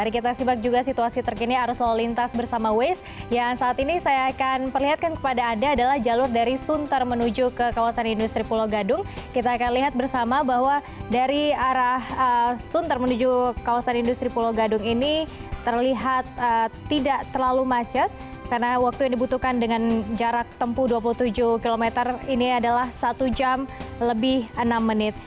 karena waktu yang dibutuhkan dengan jarak tempuh dua puluh tujuh km ini adalah satu jam lebih enam menit